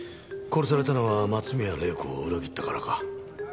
殺されたのは松宮玲子を裏切ったからか？